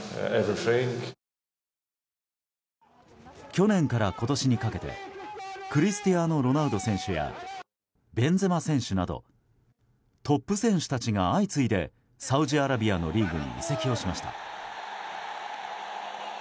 去年から今年にかけてクリスティアーノ・ロナウド選手やベンゼマ選手などトップ選手たちが相次いでサウジアラビアのリーグに移籍をしました。